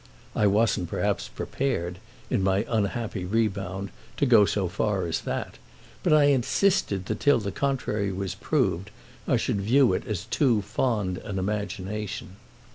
I wasn't perhaps prepared, in my unhappy rebound, to go so far as that, but I insisted that till the contrary was proved I should view it as too fond an imagination.